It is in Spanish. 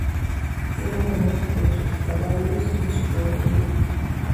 Eran famosos por sus caballos y su caballería.